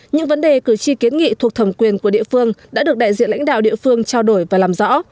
những vấn đề cử tri kiến nghị thuộc thẩm quyền của địa phương đã được đại diện lãnh đạo địa phương trao đổi và làm rõ